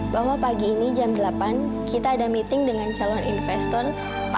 sampai jumpa di video selanjutnya